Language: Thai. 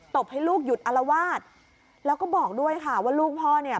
บให้ลูกหยุดอลวาดแล้วก็บอกด้วยค่ะว่าลูกพ่อเนี่ย